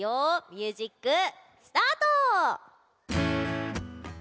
ミュージックスタート！